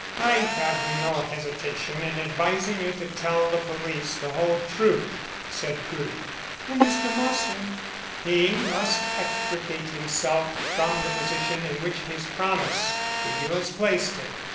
"I have no hesitation in advising you to tell the police the whole truth," said Crewe. "And Mr. Marsland?" "He must extricate himself from the position in which his promise to you has placed him.